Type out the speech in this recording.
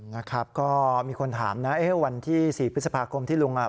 นะครับก็มีคนถามนะเอ๊ะวันที่สี่พฤษภาคมที่ลุงอ่ะ